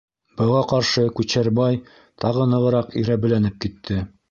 Быға ҡаршы Күчәрбай тағы нығыраҡ ирәбеләнеп китте.